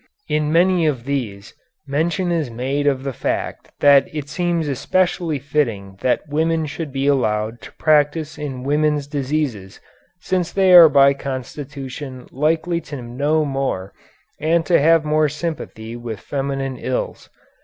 In many of these mention is made of the fact that it seems especially fitting that women should be allowed to practise in women's diseases, since they are by constitution likely to know more and to have more sympathy with feminine ills.